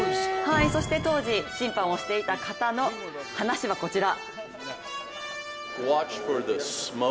そして当時、審判をしていた方の話がこちら。